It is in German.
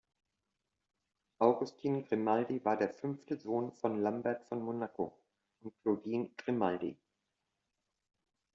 Augustin Grimaldi war der fünfte Sohn von Lambert von Monaco und Claudine Grimaldi.